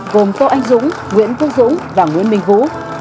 gồm tô anh dũng nguyễn quốc dũng và nguyễn minh vũ